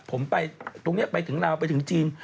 ผมไปตรงนี้ไปถึงลาวไปถึงจีน